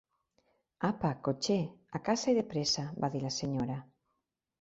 Apa, cotxer, a casa i depresa, va dir la senyora